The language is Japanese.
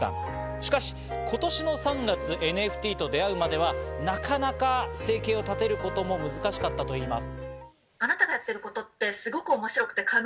しかし今年の３月、ＮＦＴと出会うまではなかなか生計を立てることも難しかったといいます。